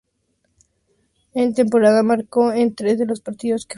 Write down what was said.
En pretemporada marcó en tres de los partidos que jugó.